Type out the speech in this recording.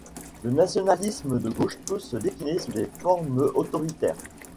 Le nationalisme de gauche peut se décliner sous des formes autoritaires.